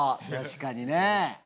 確かにね。